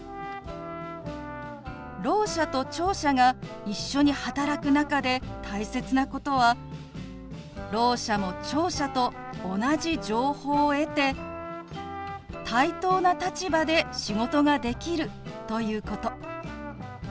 ろう者と聴者が一緒に働く中で大切なことはろう者も聴者と同じ情報を得て対等な立場で仕事ができるということ。